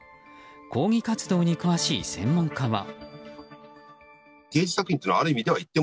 抗議活動に詳しい専門家は。